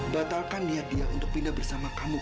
batalkan niat dia untuk pindah bersama kamu